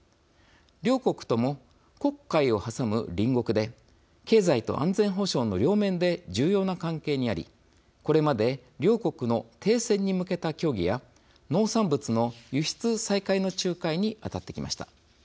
両国とも、黒海を挟む隣国で経済と安全保障の両面で重要な関係にありこれまで両国の停戦に向けた協議や農産物の輸出再開の仲介に当たってきました。